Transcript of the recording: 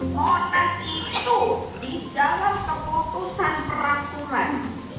monas itu di dalam keputusan peraturan